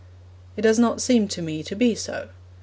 It does not seem to me to be so.